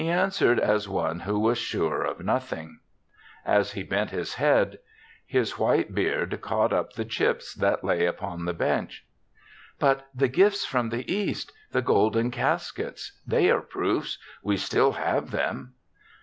He answered as one who was sure of nothing; as he bent his head, his white beard caught up the chips that lay upon the bench. " But the gifts from the East — the golden caskets ; they are proofs, y/e still have them.''